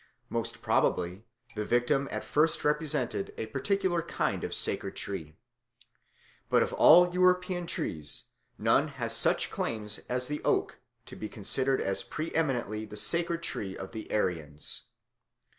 Most probably the victim at first represented a particular kind of sacred tree. But of all European trees none has such claims as the oak to be considered as pre eminently the sacred tree of the Aryans.